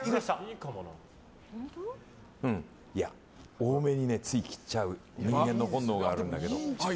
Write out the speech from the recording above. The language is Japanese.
多めについ切っちゃう人間の本能があるんだけど。